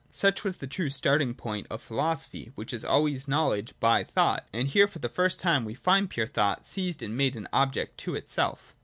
Such wa the true starting point of philosophy, which is always know ledge by thought : and here for the first time we find pur thought seized and made an object to itself.